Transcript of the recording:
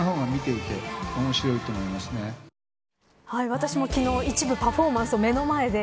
私も昨日、一部パフォーマンスを目の前で